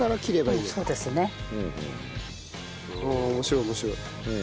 面白い面白い。